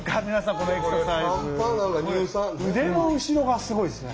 これ腕の後ろがすごいですね。